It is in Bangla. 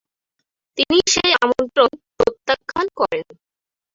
তিনি সেই আমন্ত্রণ প্রত্যাখান করেন।